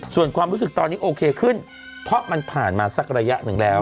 ส่วนความรู้สึกตอนนี้โอเคขึ้นเพราะมันผ่านมาสักระยะหนึ่งแล้ว